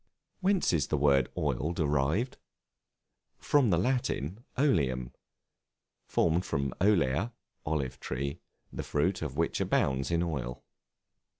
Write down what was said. Whence is the word Oil derived? From the Latin oleum, formed from olea, olive tree, the fruit of which abounds in oil.